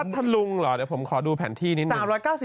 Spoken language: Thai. ทะลุงเหรอเดี๋ยวผมขอดูแผนที่นิดนึง